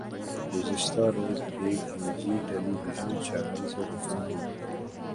گزشتہ روز ایک نجی ٹیلی وژن چینل سے گفتگو